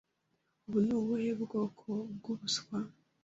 Ubu ni ubuhe bwoko bwubuswa?